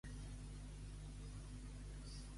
A Benitatxell, cadascú paga la d'ell.